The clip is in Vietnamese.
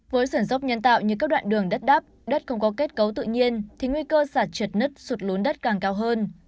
với sườn dốc nhân tạo như các đoạn đường đất đắp đất không có kết cấu tự nhiên thì nguy cơ sạt trượt nứt sụt lốn đất càng cao hơn